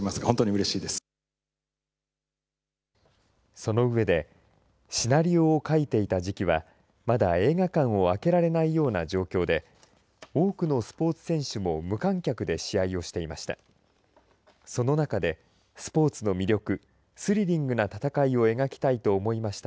その上でシナリオを書いていた時期はまだ映画館を開けられないような状況で多くのスポーツ選手も無観客で試合をしていました。